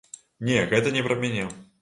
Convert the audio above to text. Не, гэта не пра мяне.